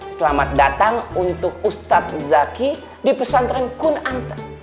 selamat datang untuk ustadz zaky di pesantren kun anta